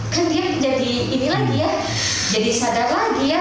kan dia jadi ini lagi ya jadi sadar lagi ya